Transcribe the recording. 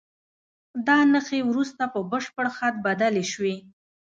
دا نښې وروسته په بشپړ خط بدلې شوې.